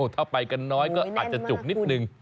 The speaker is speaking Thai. ถ้าไปกันน้อยก็อาจจะจุกนิดนึง